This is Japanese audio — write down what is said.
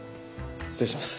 失礼します。